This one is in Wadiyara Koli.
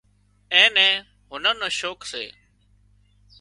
اين نين هنر نو شوق سي